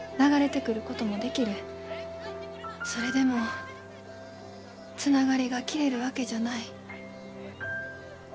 それでもつながりが消えるわけじゃない。